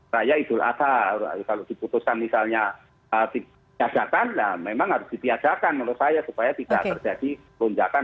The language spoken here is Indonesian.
saya idul asa kalau diputuskan misalnya piasakan nah memang harus dipiasakan menurut saya supaya tidak terjadi perunjakan